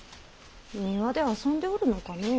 庭で遊んでおるのかの。